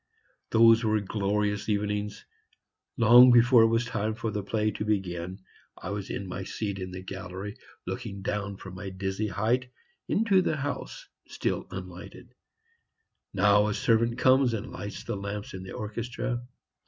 Those were glorious evenings. Long before it was time for the play to begin, I was in my seat in the gallery, looking down from my dizzy height, into the house, still unlighted. Now a servant comes and lights the lamps in the orchestra.